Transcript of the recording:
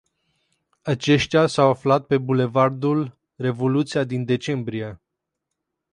Aceștia s-au aflat pe Bulevardul Revoluția din decembrie.